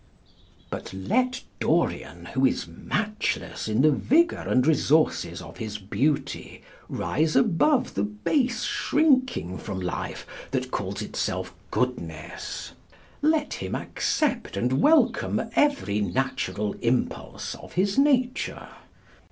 But let Dorian, who is matchless in the vigour and resources of his beauty, rise above the base shrinking from life that calls itself goodness. Let him accept and welcome every natural impulse of his nature.